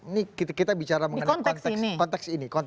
ini kita bicara mengenai konteks ini